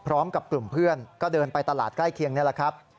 พร้อมกับกลุ่มเพื่อนก็เดินไปตลาดใกล้เคียงนี่แหละครับ